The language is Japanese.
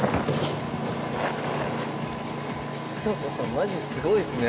「ちさ子さんマジですごいですね」